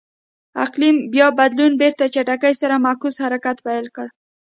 اقلیم بیا بدلون بېرته چټکۍ سره معکوس حرکت پیل کړ.